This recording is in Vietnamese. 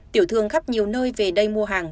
tiểu thương khắp nhiều nơi về đây mua hàng